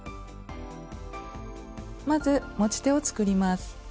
まず持ち手を作ります。